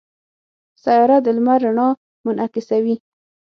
سیاره د لمر رڼا منعکسوي.